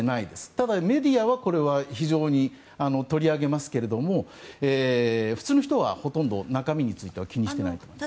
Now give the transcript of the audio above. ただ、メディアはこれは非常に取り上げますけども普通の人はほとんど中身については気にしてないと思います。